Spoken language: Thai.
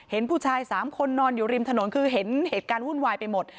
เห็นผู้ชาย๓คนนอนอยู่ริมถนนคือเห็นเหตุการณ์วุ่นวายไปหมด